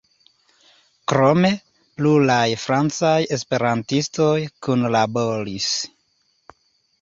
Krome pluraj francaj esperantistoj kunlaboris.